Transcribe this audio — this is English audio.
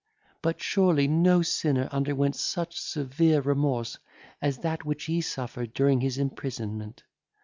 But surely no sinner underwent such severe remorse as that which he suffered during his imprisonment.